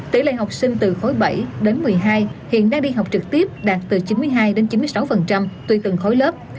tỷ lệ học sinh từ khối bảy đến một mươi hai hiện đang đi học trực tiếp đạt từ chín mươi hai đến chín mươi sáu tùy từng khối lớp